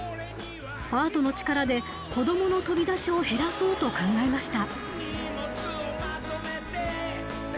アートの力で子供の飛び出しを減らそうと考えました。